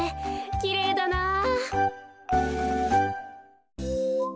きれいだなぁ。